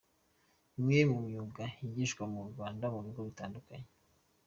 Imwe mu myuga yigishwa mu Rwanda mu bigo bitandukanye.